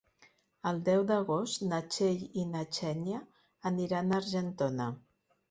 El deu d'agost na Txell i na Xènia aniran a Argentona.